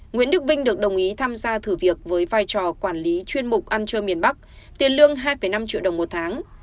nguyễn đức vinh được đồng ý tham gia thử việc với vai trò quản lý chuyên mục ăn chơi miền bắc tiền lương hai năm triệu đồng một tháng